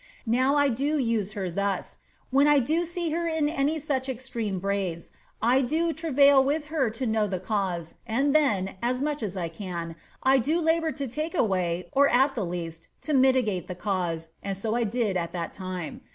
Now I do use her thus. — when I do see her in any such extreme brauh* I do travail with her to know the cause. an<l thon.ai m jcli as I can, 1 do labour to take away, or at the least, to mitigate the caiiae. and so I did at tliat time.